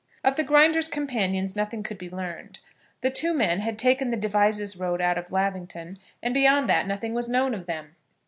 Of the Grinder's companions nothing could be learned. The two men had taken the Devizes road out of Lavington, and beyond that nothing was known of them.